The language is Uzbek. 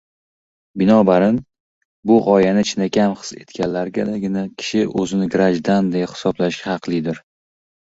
binobarin, bu g‘oyani chinakam his etgandagina kishi o‘zini grajdan deya hisoblashga haqlidir.